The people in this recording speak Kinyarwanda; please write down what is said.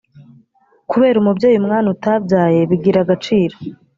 kubera umubyeyi umwana utabyaye bigira agaciro